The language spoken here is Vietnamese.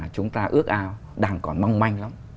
chúng ta ước ao đang còn mong manh lắm